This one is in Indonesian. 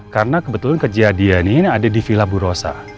karena kebetulan kejadian ini ada di vila bu rosa